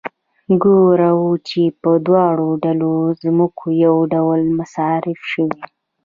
ګورو چې په دواړه ډوله ځمکو یو ډول مصارف شوي